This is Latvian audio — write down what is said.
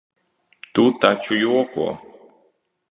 Tu taču joko?